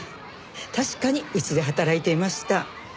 確かにうちで働いていました。